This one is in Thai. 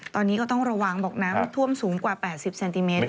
ตอนนี้ก็ต้องระวังบอกนะว่าท่วมสูงกว่าแปดสิบเซนติเมตรเลย